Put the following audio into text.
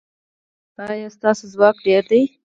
ایا ستاسو ځواک ډیر دی؟